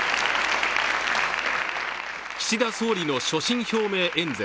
岸田総理の所信表明演説。